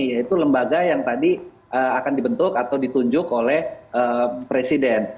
yaitu lembaga yang tadi akan dibentuk atau ditunjuk oleh presiden